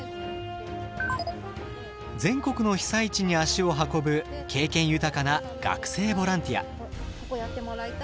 全国の被災地に足を運ぶ経験豊かな学生ボランティア。